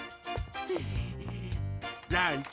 ランチ！